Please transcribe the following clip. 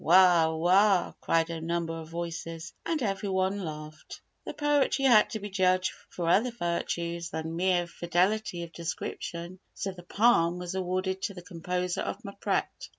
"Wah! Wah!" cried a number of voices and everyone laughed. The poetry had to be judged for other virtues than mere fidelity of description, so the "palm" was awarded to the composer of "Mpret."